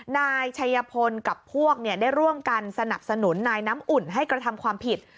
นายชัยพลกับพวกได้ร่วมกันสนับสนุนนายน้ำอุ่นให้กระทำความผิด